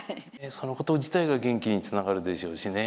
そのこと自体が元気につながるでしょうしね。